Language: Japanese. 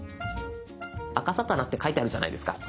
あかさたなって書いてあるじゃないですか。